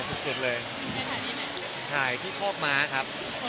ฉันจะหายที่คอกม้าครับ